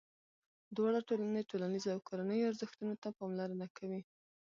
دواړه ټولنې ټولنیزو او کورنیو ارزښتونو ته پاملرنه کوي.